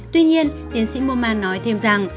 tuy nhiên tiến sĩ moma nói thêm rằng